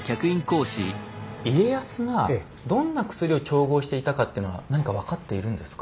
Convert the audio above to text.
家康がどんな薬を調合していたかっていうのは何か分かっているんですか？